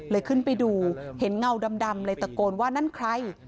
ขึ้นไปดูเห็นเงาดำเลยตะโกนว่านั่นใคร